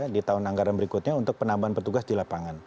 di tahun anggaran berikutnya untuk penambahan petugas di lapangan